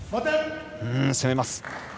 攻めます。